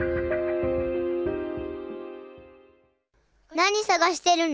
何さがしてるの？